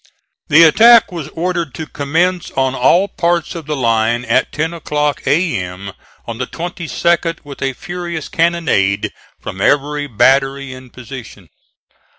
The attack was ordered to commence on all parts of the line at ten o'clock A.M. on the 22d with a furious cannonade from every battery in position.